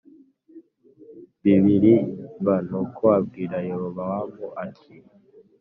bibiri v Nuko abwira Yerobowamu ati